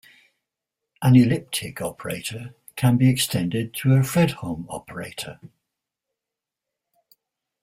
An elliptic operator can be extended to a Fredholm operator.